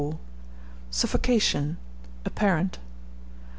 SUFFOCATION, APPARENT.